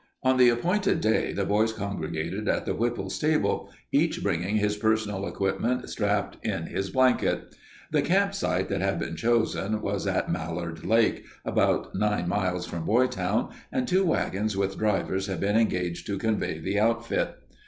On the appointed day the boys congregated at the Whipples' stable, each bringing his personal equipment strapped up in his blanket. The camp site that had been chosen was at Mallard Lake, about nine miles from Boytown, and two wagons with drivers had been engaged to convey the outfit.